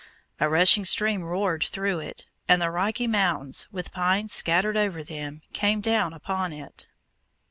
A rushing stream roared through it, and the Rocky Mountains, with pines scattered over them, came down upon it.